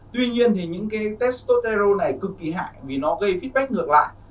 tuy nhiên thì những cái testosterone này cực kỳ hại vì nó gây feedback ngược lại